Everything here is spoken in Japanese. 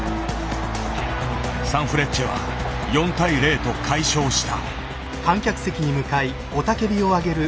サンフレッチェは４対０と快勝した。